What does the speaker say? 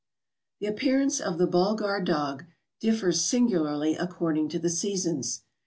The appearance of the Bulghar Dagli differs sin¬ gularly according to the seasons.